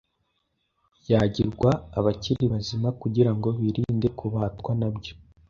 yagirwa abakiri bazima kugira ngo birinde kubatwa na byo.